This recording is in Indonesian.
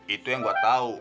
itu yang gue tau